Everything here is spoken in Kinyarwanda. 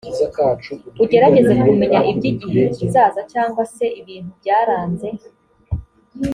ugerageze kumenya iby igihe kizaza cyangwa se ibintu byaranze